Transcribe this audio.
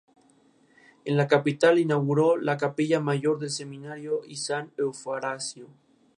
El padre de Henry proviene de Hong Kong, mientras que su madre de Taiwán.